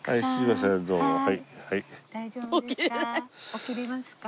起きられますか？